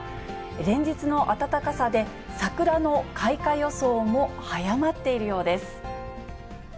連日の暖かさで、桜の開花予想も早まっているようです。